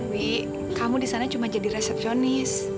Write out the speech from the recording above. wi kamu di sana cuma jadi resepsionis